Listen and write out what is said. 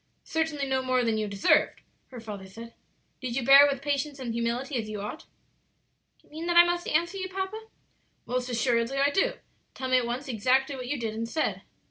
"Certainly no more than you deserved," her father said. "Did you bear it with patience and humility, as you ought?" "Do you mean that I must answer you, papa?" "Most assuredly I do; tell me at once exactly what you did and said."